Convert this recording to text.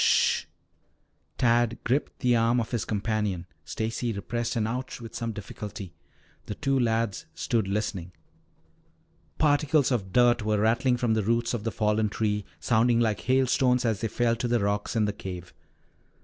"Sh h h!" Tad gripped the arm of his companion. Stacy repressed an "ouch" with some difficulty. The two lads stood listening. Particles of dirt were rattling from the roots of the fallen tree, sounding like hailstones as they fell to the rocks in the cave.